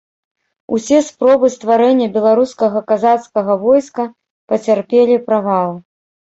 Усе спробы стварэння беларускага казацкага войска пацярпелі правал.